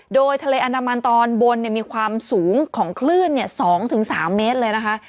โดยทะเลอันดามันตอนบนมีความสูงของคลื่น๒๓เมตรเลยนะคะ